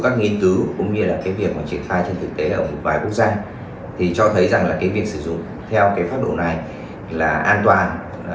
các nghiên cứu cũng như là cái việc mà triển khai trên thực tế ở một vài quốc gia thì cho thấy rằng là cái việc sử dụng theo cái pháp độ này là an toàn